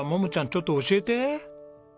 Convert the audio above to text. ちょっと教えて。